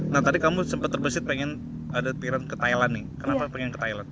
nah tadi kamu sempat terbesit pengen ada pierren ke thailand nih kenapa pengen ke thailand